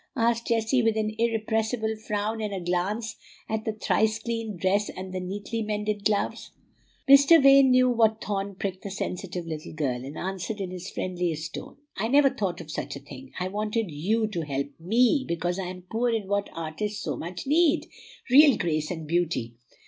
asked Jessie, with an irrepressible frown and a glance at the thrice cleaned dress and the neatly mended gloves. Mr. Vane knew what thorn pricked the sensitive little girl, and answered in his friendliest tone, "I never thought of such a thing. I wanted YOU to help ME, because I am poor in what artists so much need, real grace and beauty.